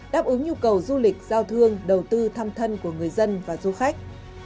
đáp ứng nhu cầu du lịch giao thương đầu tư thăm thân của người dân và du khách